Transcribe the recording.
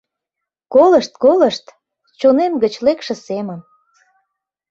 Колышт, колышт: чонем гыч лекше семым